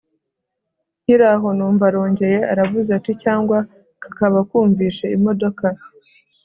nkiraho numva arongeye aravuze ati cyangwa kakaba kumvishe imodoka